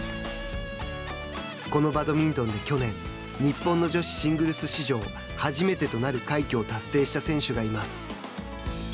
このバドミントンで去年日本の女子シングルス史上初めてとなる快挙を達成した選手がいます。